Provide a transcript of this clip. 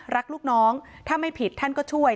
รักลูกน้องถ้าไม่ผิดท่านก็ช่วย